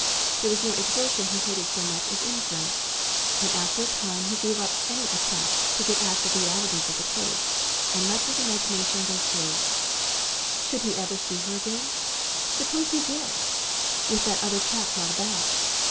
There was no exertion he hated so much as inference, and after a time he gave up any attempt to get at the realities of the case, and let his imagination go free. Should he ever see her again? Suppose he did with that other chap not about.